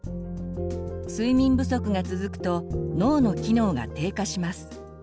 睡眠不足が続くと脳の機能が低下します。